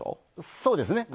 そうですね。